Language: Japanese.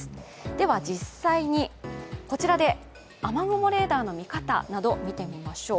では実際にこちらで雨雲レーダーの見方など見てみましょう。